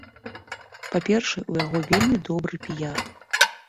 Па-першае, у яго вельмі добры піяр.